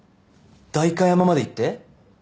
代官山まで行って？